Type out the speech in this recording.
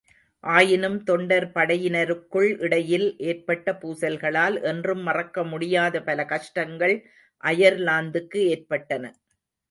ஆயினும் தொண்டர்படையினருக்குள் இடையில் ஏற்பட்ட பூசல்களால் என்றும் மறக்கமுடியாத பல கஷ்டங்கள் அயர்லாந்துக்கு ஏற்பட்டன.